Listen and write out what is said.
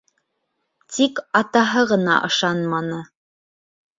Тик атаһы ғына ышанманы.